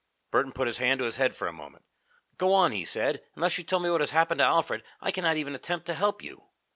Burton put his hand to his head for a moment. "Go on," he said. "Unless you tell me what has happened to Alfred, I cannot even attempt to help you."